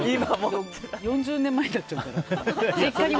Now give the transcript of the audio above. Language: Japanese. ４０年前になっちゃうから。